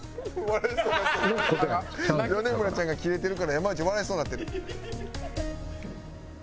米村ちゃんがキレてるから山内笑いそうになってる。